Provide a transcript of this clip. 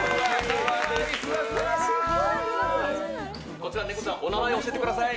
こちらのネコちゃんのお名前を教えてください。